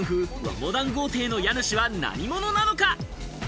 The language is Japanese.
モダン豪邸の家主は何者なのか？